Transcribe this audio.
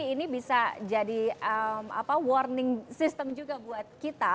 ini bisa jadi warning system juga buat kita